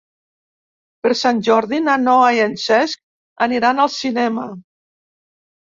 Per Sant Jordi na Noa i en Cesc aniran al cinema.